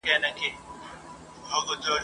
له هري تر بدخشانه ارغوان وي غوړېدلی ..